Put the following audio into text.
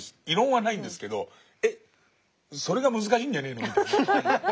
異論はないんですけどそれが難しいんじゃねえのと。